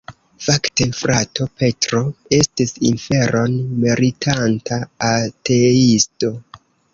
Fakte frato Petro estis inferon meritanta ateisto.